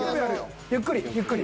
ゆっくりゆっくり。